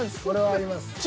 これは合います。